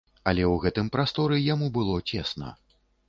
Але ў гэтым прасторы яму было цесна.